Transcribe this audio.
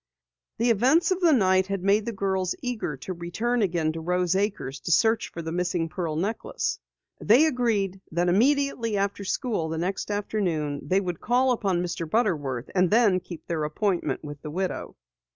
The events of the night had made the girls eager to return again to Rose Acres to search for the missing pearl necklace. They agreed that immediately after school the next afternoon they would call upon Mr. Butterworth and then keep their appointment with the widow.